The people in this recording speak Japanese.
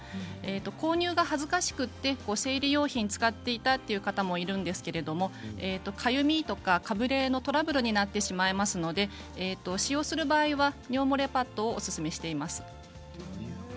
購入が恥ずかしくて生理用品を使っていたという方もいるんですけれどもかゆみとか、かぶれのトラブルになってしまいますので使用する場合は尿漏れパッドをおすすめしています。